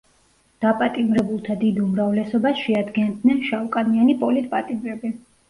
დაპატიმრებულთა დიდ უმრავლესობას შეადგენდნენ შავკანიანი პოლიტპატიმრები.